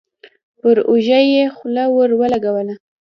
پر اوږه يې خوله ور ولګوله.